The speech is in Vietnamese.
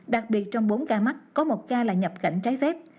đặc biệt trong bốn ca mắc có một cha là nhập cảnh trái phép